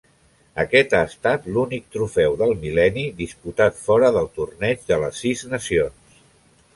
Aquest ha estat l'únic Trofeu del Mil·lenni disputat fora del Torneig de les sis nacions.